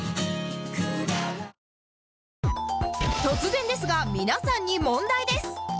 突然ですが皆さんに問題です